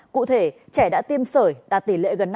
cụ thể trẻ đã tiêm sởi đạt tỷ lệ gần năm mươi